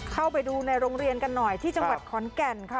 เข้าไปดูในโรงเรียนกันหน่อยที่จังหวัดขอนแก่นค่ะ